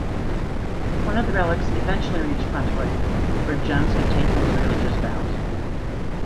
One of the relics eventually reached Pontoise, where Jones had taken his religious vows.